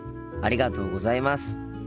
ありがとうございます。